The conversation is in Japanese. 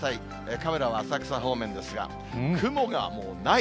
カメラは浅草方面ですが、雲がもう、ない。